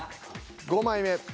５枚目。